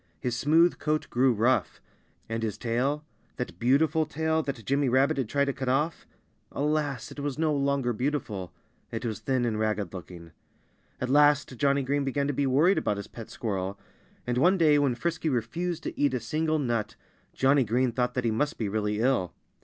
His smooth coat grew rough. And his tail that beautiful tail that Jimmy Rabbit had tried to cut off alas! it was no longer beautiful. It was thin and ragged looking. At last Johnnie Green began to be worried about his pet squirrel. And one day when Frisky refused to eat a single nut Johnnie Green thought that he must be really ill.